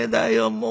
もう。